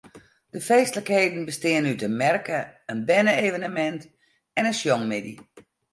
De feestlikheden besteane út in merke, in berne-evenemint en in sjongmiddei.